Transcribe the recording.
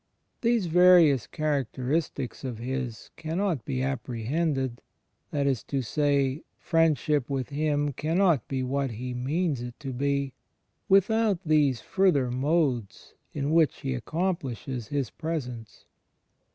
These various characteristics of His cannot be apprehended — that is to say, Friendship with Him cannot be what He means it to be — without these further modes in which He accomplishes His Presence.